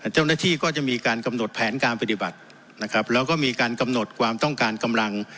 เจ้าหน้าที่ก็จะมีการกำหนดแผนการปฏิบัตินะครับแล้วก็มีการกำหนดความต้องการกำลัง